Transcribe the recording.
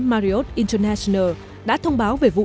marriott international đã thông báo về vụ